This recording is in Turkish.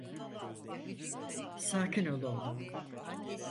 Sakin ol oğlum.